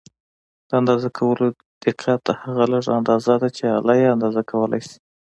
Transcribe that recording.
د اندازه کولو دقت هغه لږه اندازه ده چې آله یې اندازه کولای شي.